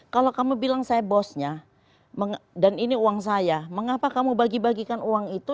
kalau kamu bilang saya bosnya dan ini uang saya mengapa kamu bagi bagikan uang itu